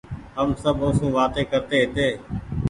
هم سب اوسون وآتي ڪرتي هيتي